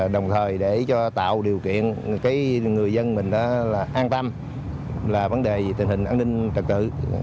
đồng thời để tạo điều kiện người dân an tâm vấn đề tình hình an ninh trật tự